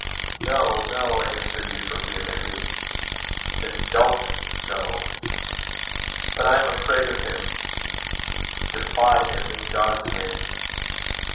"No, no," answered Euphra, vehemently. "Then don't go." "But I am afraid of him." "Defy him in God's name."